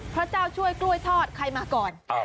พระเจ้าช่วยกล้วยทอดใครมาก่อน